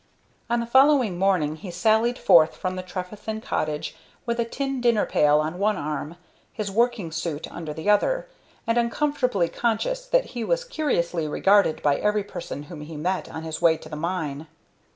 On the following morning he sallied forth from the Trefethen cottage with a tin dinner pail on one arm, his working suit under the other, and uncomfortably conscious that he was curiously regarded by every person whom he met on his way to the mine.